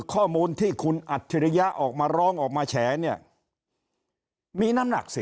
ข้อมูลที่คุณอัจฉริยะออกมาร้องออกมาแฉเนี่ยมีน้ำหนักสิ